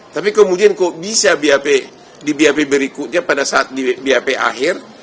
tapi kemudian kok bisa di bap berikutnya pada saat di bap akhir